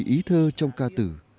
ý thơ trong ca tử